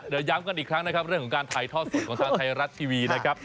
แต่ย้ำกันอีกครั้งเรื่องของการถ่ายถ้อสดของทางไทรัชทีวีนะครับ